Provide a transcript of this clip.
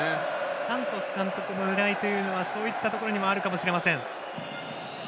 サントス監督の狙いはそういったところにもあるのかもしれません。